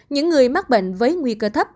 những người mắc bệnh với nguy cơ thấp